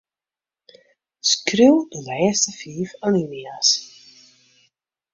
Skriuw de lêste fiif alinea's.